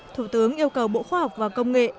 thủ tướng yêu cầu bộ khoa học và công nghệ